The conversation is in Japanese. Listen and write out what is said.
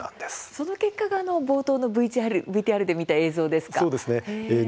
その結果が冒頭のＶＴＲで見た映像ですか。